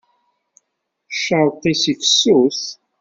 Ccerṭ-is fessus.